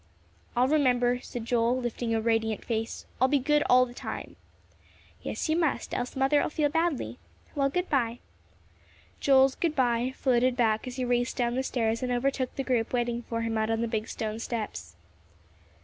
"I'll remember," said Joel, lifting a radiant face; "I'll be good all the time." "Yes, you must, else Mother'll feel badly. Well, good by." Joel's good by floated back as he raced down the stairs and overtook the group waiting for him out on the big stone steps.